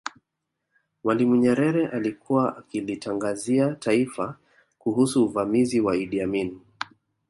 Mwalimu Nyerere alikuwa akilitangazia taifa kuhusu uvamizi wa Idi Amin